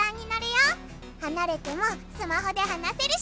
はなれてもスマホで話せるし。